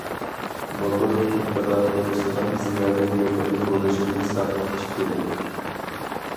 موتور تېمپېراتۇرىسىنىڭ زىيادە يۇقىرى بولۇشىدىن ساقلىنىش كېرەك.